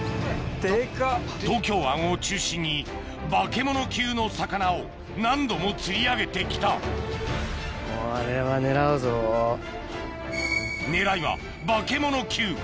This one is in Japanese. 東京湾を中心に化け物級の魚を何度も釣り上げて来た狙いは化け物級